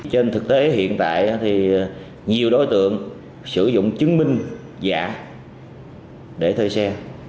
trên thực tế hiện tại thì nhiều đối tượng sử dụng chứng minh giả để thuê xe